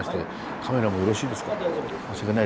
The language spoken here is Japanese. カメラもよろしいですか？